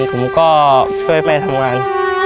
ผมก็ช่วยแม่ทำงาน